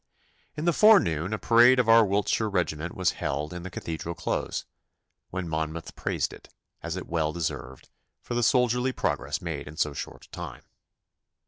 In the forenoon a parade of our Wiltshire regiment was held in the Cathedral Close, when Monmouth praised it, as it well deserved, for the soldierly progress made in so short a time.